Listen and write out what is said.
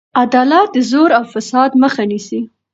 عدالت د زور او فساد مخه نیسي.